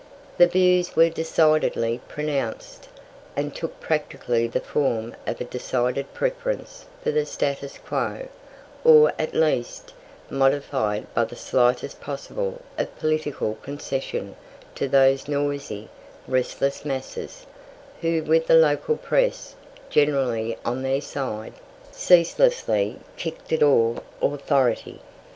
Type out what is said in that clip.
The views were decidedly "pronounced," and took practically the form of a decided preference for the status quo, or, at least, modified by the slightest possible of political concession to those noisy, restless masses, who, with the local press generally on their side, ceaselessly kicked at all authority.